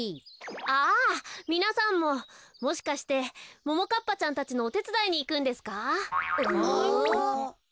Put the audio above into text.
ああみなさんももしかしてももかっぱちゃんたちのおてつだいにいくんですか？